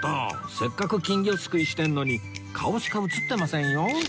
せっかく金魚すくいしてるのに顔しか写ってませんよ